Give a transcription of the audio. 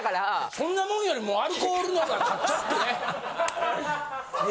そんなもんよりもアルコールのほうが勝ったってね。